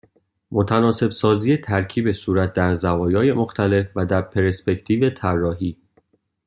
متناسب سازی ترکیب صورت در زوایای مختلف و در پرسپکتیو طراحی